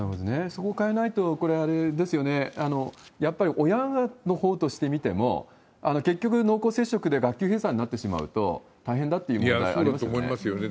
そこを変えないと、これ、あれですよね、やっぱり親のほうとして見ても、結局、濃厚接触で学級閉鎖になってしまうと、大変だっていう問題、そうですよね。